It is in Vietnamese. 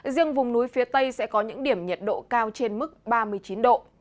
riêng vùng núi phía tây sẽ có những điểm nhiệt độ cao trên mức ba mươi chín độ